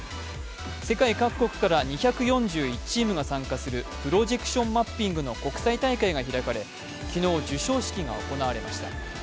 世界各国から２４１チームが参加するプロジエクションマッピングの国際大会が開かれ、昨日授賞式が行われました。